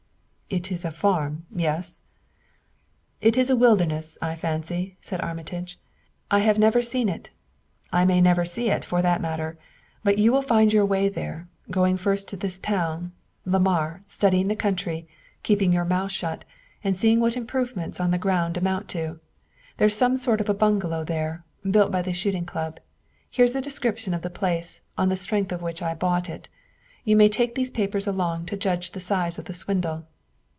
"It is a farm yes?" "It is a wilderness, I fancy," said Armitage. "I have never seen it; I may never see it, for that matter; but you will find your way there going first to this town, Lamar, studying the country, keeping your mouth shut, and seeing what the improvements on the ground amount to. There's some sort of a bungalow there, built by the shooting club. Here's a description of the place, on the strength of which I bought it. You may take these papers along to judge the size of the swindle."